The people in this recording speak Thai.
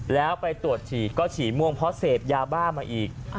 แล้วไปตรวจฉี่ก็ฉี่ม่วงเพราะเสพยาบ้ามาอีก